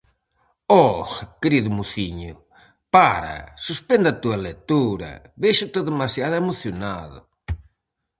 Oh, querido mociño, para, suspende a túa lectura, véxote demasiado emocionado!